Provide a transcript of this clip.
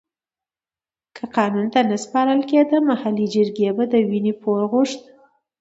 که قانون ته نه سپارل کېده محلي جرګې به د وينې پور غوښت.